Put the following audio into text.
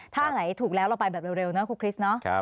ถ้าไหนถูกแล้วเราไปเร็วนะครูคริส